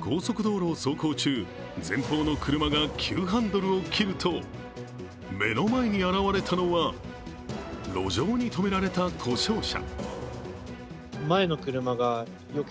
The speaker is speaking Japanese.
高速道路を走行中、前方の車が急ハンドルを切ると目の前に現れたのは路上に止められた故障車。